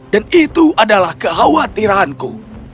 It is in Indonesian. dan itu adalah kekhawatiranku